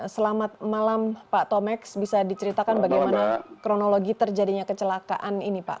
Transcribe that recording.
selamat malam pak tomeks bisa diceritakan bagaimana kronologi terjadinya kecelakaan ini pak